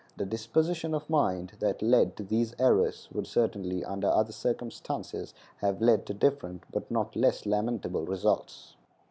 The disposition of mind that led to these errors would certainly, under other circumstances, have led to different, but not less lamentable results.